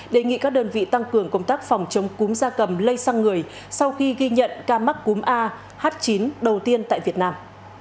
đề nghị các đơn vị tăng cường công tác phòng chống cúm da cầm lây sang người sau khi ghi nhận ca mắc cúm a h chín đầu tiên tại việt nam